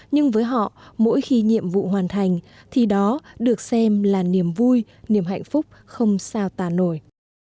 nhưng với họ mỗi khi nhiệm vụ hoàn thành thì đó được xem là niềm vui niềm hạnh phúc không sao tà nổi